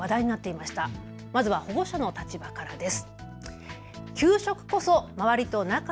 まずは保護者の立場からです。